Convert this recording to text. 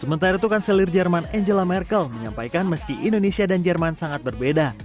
sementara itu kanselir jerman angela merkel menyampaikan meski indonesia dan jerman sangat berbeda